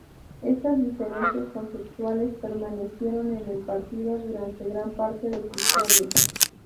Estas diferencias conceptuales permanecieron en el partido durante gran parte de su historia.